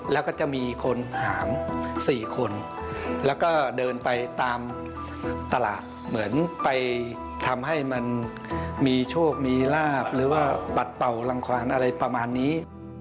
แล้วก็จะมีคนหาม๔คนแล้วก็เดินไปตามตลาดเหมือนไปทำให้มันมีโชคมีลาบหรือว่าปัดเป่ารังขวานอะไรประมาณนี้